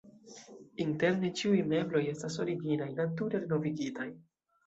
Interne ĉiuj mebloj estas originaj, nature renovigitaj.